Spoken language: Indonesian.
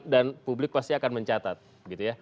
dan publik pasti akan mencatat